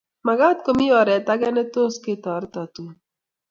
Magaat komi oret age netos ketoreto Tom